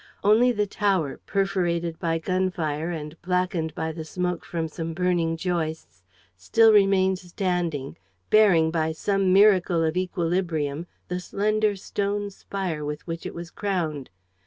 Only the tower, perforated by gun fire and blackened by the smoke from some burning joists, still remained standing, bearing by some miracle of equilibrium, the slender stone spire with which it was crowned.